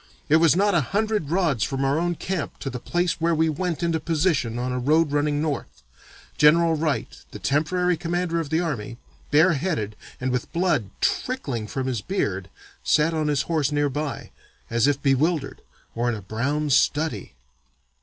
It was not a hundred rods from our own camp to the place where we went into position on a road running north. General Wright, the temporary commander of the army, bareheaded, and with blood trickling from his beard, sat on his horse near by, as if bewildered or in a brown study.